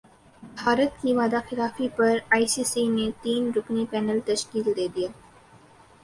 بھارت کی وعدہ خلافی پر ائی سی سی نے تین رکنی پینل تشکیل دیدیا